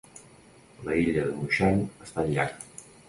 La illa de Mushan està al llac.